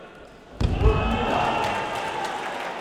Ur ken-id-ɛerrḍeɣ.